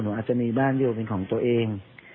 หนูอาจจะมีบ้านอยู่เป็นของตัวเอง